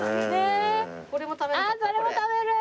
これも食べる？